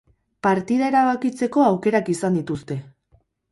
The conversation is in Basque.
Partida erabakitzeko aukerak izan dituzte.